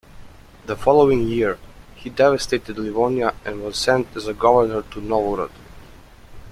The following year, he devastated Livonia and was sent as a governor to Novgorod.